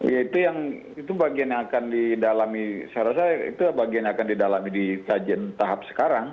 ya itu bagian yang akan didalami saya rasa itu bagian yang akan didalami di kajian tahap sekarang